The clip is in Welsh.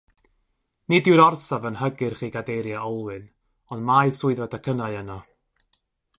Nid yw'r orsaf yn hygyrch i gadeiriau olwyn, ond mae swyddfa docynnau yno.